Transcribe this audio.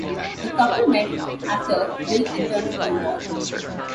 The couple met after Bill returned from the war.